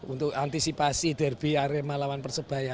untuk antisipasi derby arema lawan persebaya